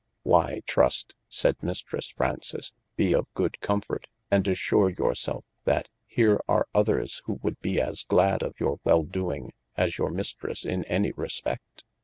Why Trust (sayd Mistresse Fraunces) be of good comfort, & assure your selfe that here are others who would be as glad of your wel doing, as your mistres in any respe£t.